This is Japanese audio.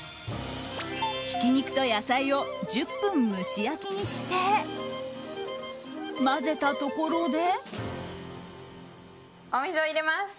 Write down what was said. ひき肉と野菜を１０分蒸し焼きにして混ぜたところで。